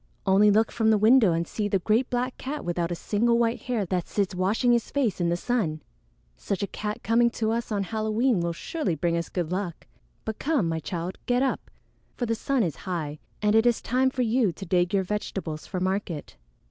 Only look from the window and see the great black cat without a single white hair that sits washing his face in the sun. Such a cat coming to us on Halloween will surely bring us good luck! But come, my child, get up, for the sun is high, and it is time for you to dig your vegetables for market."